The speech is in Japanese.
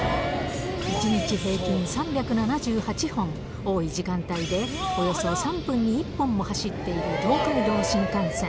１日平均３７８本、多い時間帯で、およそ３分に１本も走っている東海道新幹線。